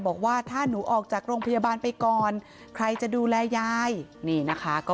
บอกว่าถ้าหนูออกจากโรงพยาบาลไปก่อนใครจะดูแลยายนี่นะคะก็